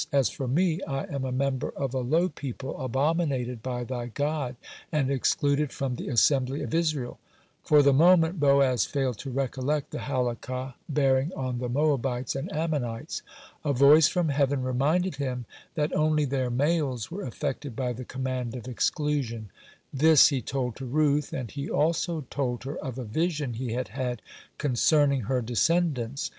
As for me, I am a member of a low people, abominated by thy God, and excluded from the assembly of Israel." For the moment Boaz failed to recollect the Halakah bearing on the Moabites and Ammonites. A voice from heaven reminded him that only their males were affected by the command of exclusion. (53) This he told to Ruth, and he also told her of a vision he had had concerning her descendants.